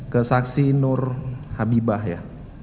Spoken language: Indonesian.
ke saksi nur habibah ya